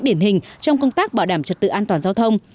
điển hình trong công tác bảo đảm trật tự an toàn giao thông